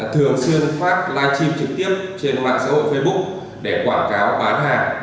thường xuyên phát live stream trực tiếp trên mạng xã hội facebook để quảng cáo bán hàng